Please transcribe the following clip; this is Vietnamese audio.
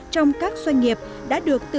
trong các doanh nghiệp đã được phát triển